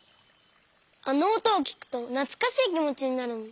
あのおとをきくとなつかしいきもちになるんだ。